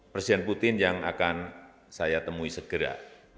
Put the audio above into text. presiden putin yang akan saya temui segera